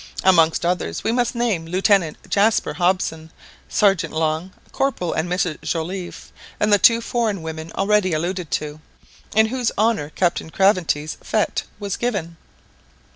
Amongst others we must name Lieutenant Jaspar Hobson, Sergeant Long, Corporal and Mrs Joliffe, and the two foreign women already alluded to, in whose honour Captain Craventy's fête was given.